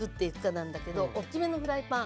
なんだけど大きめのフライパン。